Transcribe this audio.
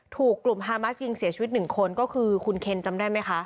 ถูกกลุ่มฮามาสยิงเสียชีวิตหนึ่งคนก็คือคุณเคนจำได้ไหมคะ